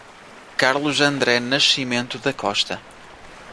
Carlos André Nascimento da Costa